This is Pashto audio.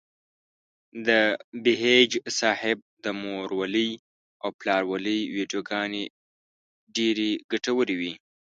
د بهيج صاحب د مورولۍ او پلارولۍ ويډيوګانې ډېرې ګټورې وې.